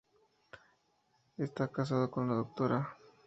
Está casado con la Dra.